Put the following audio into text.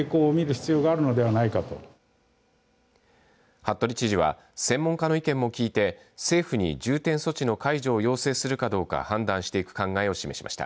服部知事は専門家の意見も聞いて政府に重点措置の解除を要請するかどうか判断していく考えを示しました。